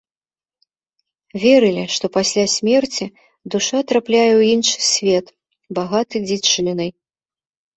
Верылі, што пасля смерці душа трапляе ў іншы свет, багаты дзічынай.